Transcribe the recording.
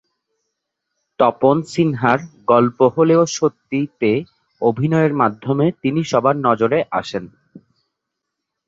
তপন সিনহার "গল্প হলেও সত্যি"তে অভিনয়ের মাধ্যমে তিনি সবার নজরে আসেন।